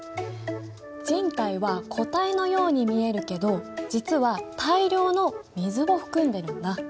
人体は固体のように見えるけど実は大量の水を含んでるんだ。